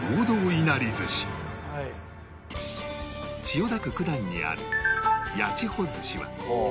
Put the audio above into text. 千代田区九段にある八千穂寿司は